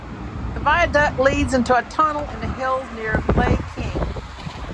The viaduct leads into a tunnel in the hills near Lai King.